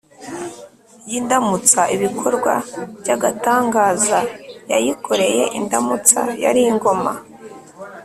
y’indamutsa ibikorwa byagatangaza yayikoreye indamutsa yari ingoma